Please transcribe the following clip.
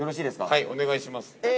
◆はい、お願いします。